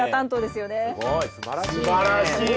すばらしい！